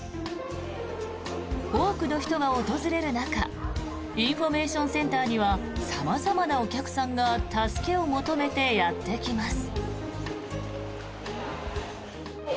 多くの人が訪れる中インフォメーションセンターには様々なお客さんが助けを求めてやってきます。